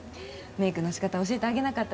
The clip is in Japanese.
メイクのしかた教えてあげなかったでしょ？